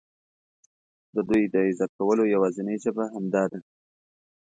د دوی د عزت کولو یوازینۍ ژبه همدا ده.